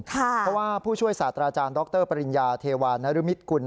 เพราะว่าผู้ช่วยศาสตราจารย์ดรปริญญาเทวานรุมิตกุล